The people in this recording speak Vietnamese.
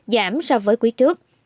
giảm so với quý trước